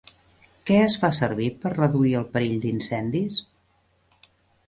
Què es fa servir per reduir el perill d'incendis?